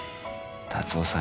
達雄さん